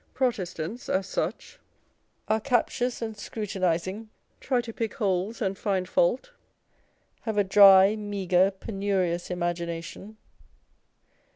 Protestants, as such, are captious and scrutinising, try to pick holes and find fault,â€" have a dry, meagre, penurious imagination.